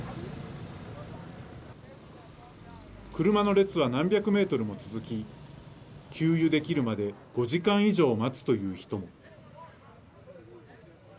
車の列は何百メートルも続き給油できるまで５時間以上待つという人も。